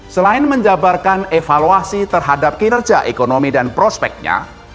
selain menjabarkan evaluasi terhadap kinerja ekonomi dan prospeknya